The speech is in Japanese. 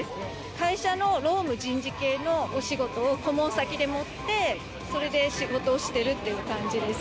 会社の労務人事系のお仕事を顧問先で持ってそれで仕事をしてるっていう感じです。